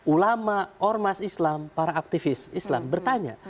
ulama ormas islam para aktivis islam bertanya